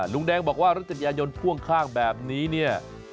ลุงแดงบอกว่ารถจักรยานยนต์พ่วงข้างแบบนี้เนี่ย